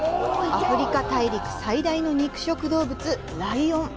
アフリカ大陸最大の肉食動物、ライオン。